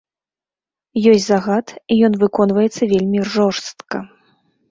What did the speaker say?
Ёсць загад і ён выконваецца вельмі жорстка.